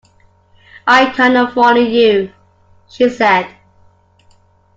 I cannot follow you, she said.